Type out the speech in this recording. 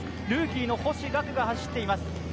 ルーキーの星岳が走っています。